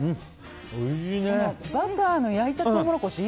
このバターの焼いたトウモロコシ